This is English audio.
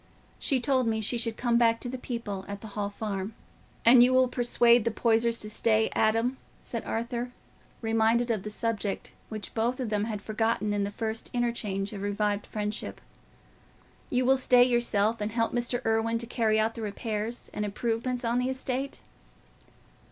She told me she should come back to the people at the Hall Farm." "And you will persuade the Poysers to stay, Adam?" said Arthur, reminded of the subject which both of them had forgotten in the first interchange of revived friendship. "You will stay yourself, and help Mr. Irwine to carry out the repairs and improvements on the estate?"